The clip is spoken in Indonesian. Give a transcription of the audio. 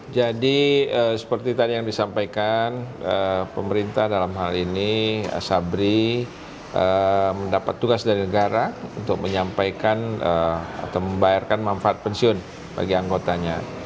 jadi seperti tadi yang disampaikan pemerintah dalam hal ini asabri mendapat tugas dari negara untuk menyampaikan atau membayarkan manfaat pensiun bagi anggotanya